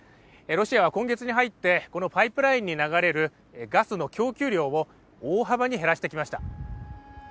ロシアは今月に入って、このパイプラインに流れるガスの供給量を大幅に減らしてきました。